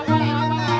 tasik tasik tasik